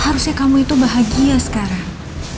harusnya kamu itu bahagia sekarang